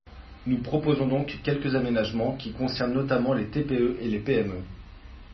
Nous proposons donc quelques aménagements, qui concernent notamment les TPE et les PME.